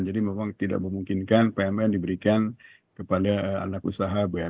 jadi memang tidak memungkinkan pmn diberikan kepada anak usaha pmn ya